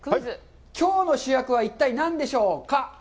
きょうの主役は一体、何でしょうか？